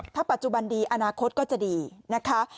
ถ้าปัจจุบันดีอนาคตก็จะดีนะคะ